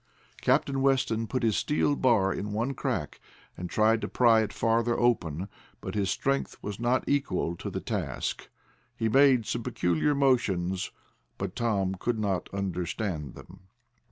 Captain Weston put his steel bar in one crack, and tried to pry it farther open, but his strength was not equal to the task. He made some peculiar motions, but Tom could not understand them.